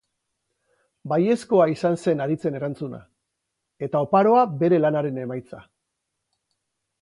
Baiezkoa izan zen Haritzen erantzuna, eta oparoa bere lanaren emaitza.